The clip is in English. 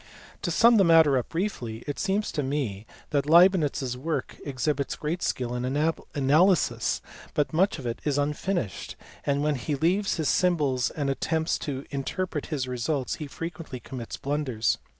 To sum the matter up briefly, it seems to me that Leibnitz s work exhibits great skill in analysis, but much of it is un finished, and when he leaves his symbols and attempts to interpret his results he frequently commits blunders.